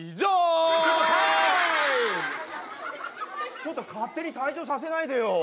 ちょっと勝手に退場させないでよ。